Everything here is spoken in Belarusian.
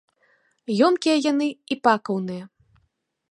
Ёмкія яны й пакаўныя.